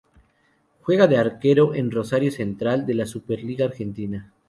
Juega de arquero en Rosario Central de la Superliga Argentina.